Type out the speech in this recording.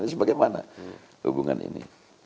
ini sebagaimana hubungan ini